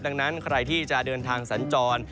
ดังนั้นใครที่จะเดินทางสัญจร